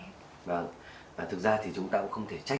ngoài thực ra thì chúng ta cũng không thể trách